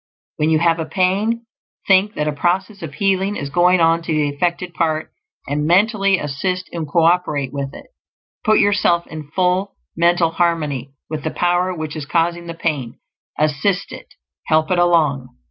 When you have a pain, think that a process of healing is going on in the affected part, and mentally assist and co operate with it. Put yourself in full mental harmony with the power which is causing the pain; assist it; help it along.